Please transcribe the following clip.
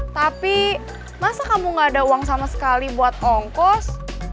tapi masa kamu gak ada uang sama sekali buat ongkos